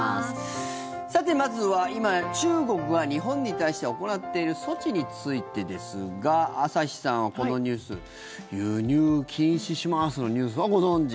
まずは今、中国が日本に対して行っている措置についてですが朝日さんはこのニュース輸入禁止しますのニュースはご存じ？